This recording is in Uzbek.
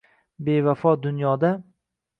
Bevafo dunyoda